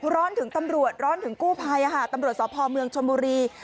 ร้อนถึงตำรวจร้อนถึงกู้ภัยตำรวจสพเมืองชนบุรี